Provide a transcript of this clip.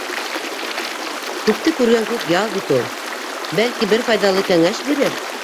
Күпте күргән күк ял бит ул, бәлки бер файҙалы кәңәш бирер.